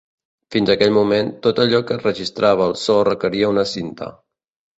Fins a aquell moment, tot allò que registrava el so requeria una cinta.